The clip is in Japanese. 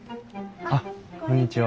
あっこんにちは。